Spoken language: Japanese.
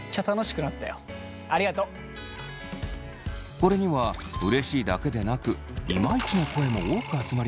これにはうれしいだけでなくイマイチの声も多く集まりました。